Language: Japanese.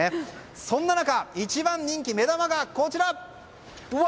そんな中、一番人気目玉が、こちら！